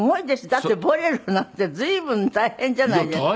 だって『ボレロ』なんて随分大変じゃないですか。